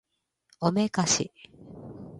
おめかし